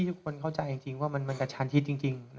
ทุกคนเข้าใจจริงว่ามันกระชันชิดจริง